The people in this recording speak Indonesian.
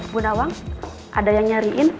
bu nawang ada yang nyariin